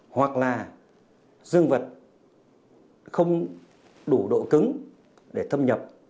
hoặc là dương vật không đủ độ cứng để thâm nhập